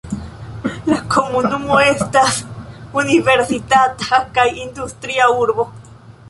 La komunumo estas universitata kaj industria urbo.